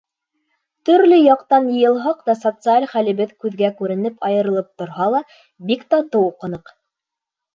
Төрлө яҡтан йыйылһаҡ та, социаль хәлебеҙ күҙгә күренеп айырылып торһа ла, бик татыу уҡыныҡ.